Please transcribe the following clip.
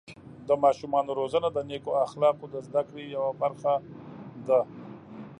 د ماشومانو روزنه د نیکو اخلاقو د زده کړې یوه برخه ده.